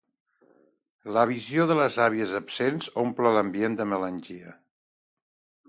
La visió de les àvies absents omple l'ambient de melangia.